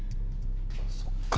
そっか。